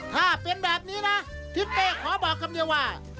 ถ้าเป็นแบบนี้นะทิศเป้ขอบอกคำเดียวว่า